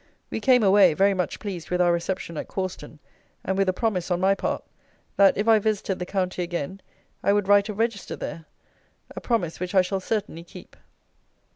We came away, very much pleased with our reception at Cawston, and with a promise, on my part, that, if I visited the county again, I would write a Register there; a promise which I shall certainly keep.